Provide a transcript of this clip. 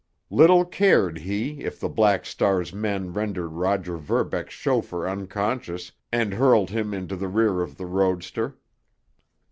Little cared he if the Black Star's men rendered Roger Verbeck's chauffeur unconscious and hurled him into the rear of the roadster!